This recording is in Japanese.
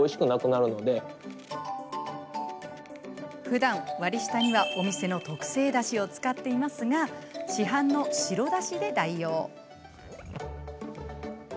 ふだん、割り下にはお店の特製だしを使っていますが市販の白だしで代用。